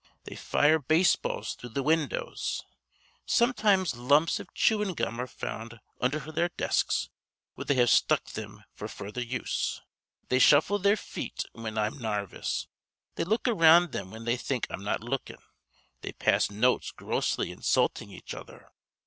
They fire baseballs through th' windows. Sometimes lumps iv chewin' gum are found undher their desks where they have stuck thim f'r further use. They shuffle their feet whin I'm narvous. They look around thim when they think I'm not lookin'. They pass notes grossly insultin' each other.